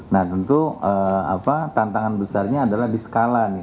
nah tentu tantangan besarnya adalah di skala nih